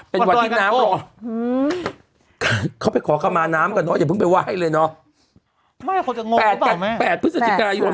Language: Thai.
เป็นวันที่น้ำรอย